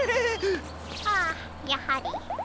ああやはり。